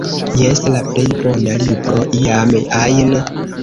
Jes, la plej bona libro iam ajn